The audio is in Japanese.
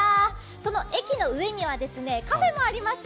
その駅の上にはカフェもあります。